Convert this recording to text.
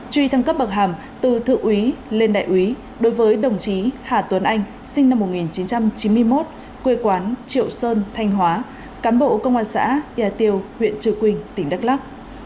truy thăng cấp bậc hàm từ thượng úy lên đại úy đối với đồng chí hà tuấn anh sinh năm một nghìn chín trăm chín mươi một quê quán triệu sơn thanh hóa cán bộ công an xã yà tiêu huyện trư quynh tỉnh đắk lắc